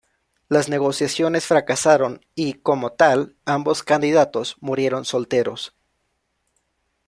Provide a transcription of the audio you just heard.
Las negociaciones fracasaron y, como tal, ambos candidatos murieron solteros.